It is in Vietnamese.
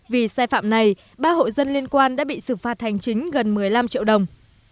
vì sai phạm này ba hộ dân liên quan đã bị xử phạt hành chính gần một mươi năm triệu đồng